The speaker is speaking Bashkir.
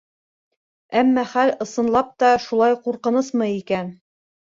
Әммә хәл, ысынлап та, шулай ҡурҡынысмы икән?